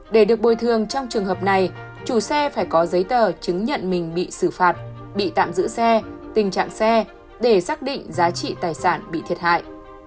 để được bồi thường trong trường hợp này chủ xe phải có giấy tờ chứng nhận mình bị xử phạt bị tạm giữ xe tình trạng xe để xác định giá trị tài sản bị thiệt hại